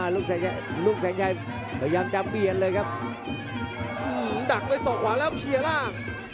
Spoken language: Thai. ลูกสัญชัยประยามจำเบียนเลยเดักด้วยศอกขวาแล้วเขี่ยร่าง